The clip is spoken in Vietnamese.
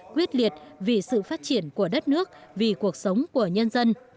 quyết liệt vì sự phát triển của đất nước vì cuộc sống của nhân dân